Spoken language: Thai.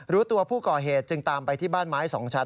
รู้ตัวผู้ก่อเหตุจึงตามไปที่บ้านไม้๒ชั้น